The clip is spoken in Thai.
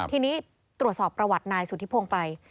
ทีนี้ตรวจสอบประวัตินายสุธิพงศ์ไป